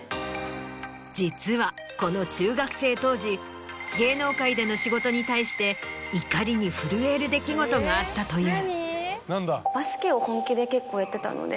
実はこの中学生当時芸能界での仕事に対して怒りに震える出来事があったという。